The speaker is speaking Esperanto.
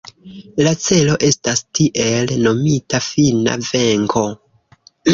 La celo estas tiel nomita fina venko.